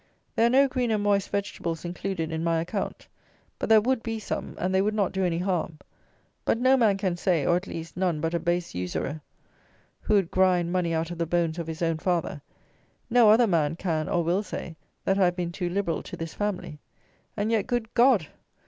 There are no green and moist vegetables included in my account; but, there would be some, and they would not do any harm; but, no man can say, or, at least, none but a base usurer, who would grind money out of the bones of his own father; no other man can, or will, say, that I have been too liberal to this family; and yet, good God!